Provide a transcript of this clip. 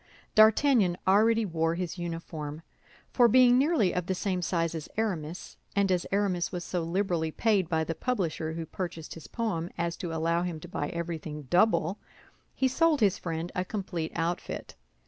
D'Artagnan already wore his uniform—for being nearly of the same size as Aramis, and as Aramis was so liberally paid by the publisher who purchased his poem as to allow him to buy everything double, he sold his friend a complete outfit.